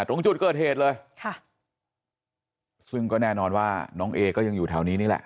ตรงจุดเกิดเหตุเลยค่ะซึ่งก็แน่นอนว่าน้องเอก็ยังอยู่แถวนี้นี่แหละ